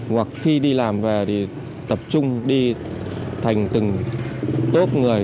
hoặc khi đi làm về thì tập trung đi thành từng tốp người